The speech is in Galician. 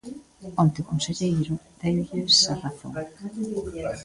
Onte o conselleiro deulles a razón.